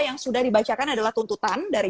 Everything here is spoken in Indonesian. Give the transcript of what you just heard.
yang sudah dibacakan adalah tuntutan dari